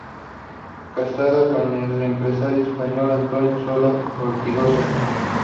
Casada con el empresario español, Antonio Sola Ortigosa.